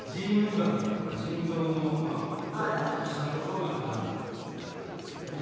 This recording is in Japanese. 腎盂がんといって腎臓のもうちょっと下の所ががんだったんですけどね。